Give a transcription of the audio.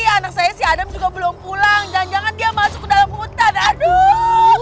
anak saya si adem juga belum pulang jangan jangan dia masuk ke dalam hutan aduh